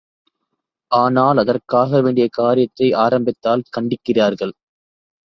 ஆனால் அதற்காக வேண்டிய காரியத்தை ஆரம்பித்தால் கண்டிக்கிறார்கள்.